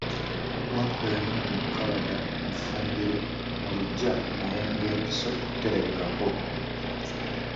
Wankoko yanoonya ku kabada, mu ffumbiro, mu luggya naye ng'empiso terabikako.